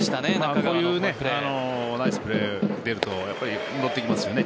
こういうナイスプレーが出ると乗ってきますよね